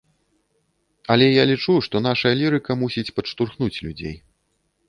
Але я лічу, што нашая лірыка мусіць падштурхнуць людзей.